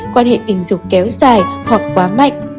quan hệ tình dục kéo dài hoặc quá mạnh